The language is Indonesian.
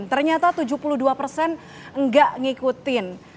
ternyata tujuh puluh dua nggak ngikutin